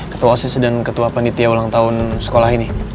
ketua osses dan ketua panditia ulang tahun sekolah ini